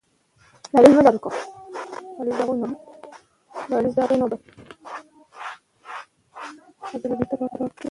هندوکش له تکنالوژۍ سره تړاو لري.